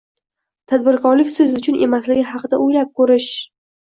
Tadbirkorlik siz uchun emasligi haqida oʻylab koʻrish...